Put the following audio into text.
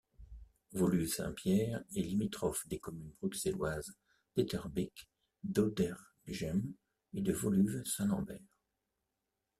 Woluwe-Saint-Pierre est limitrophe des communes bruxelloises d'Etterbeek, d'Auderghem et de Woluwe-Saint-Lambert.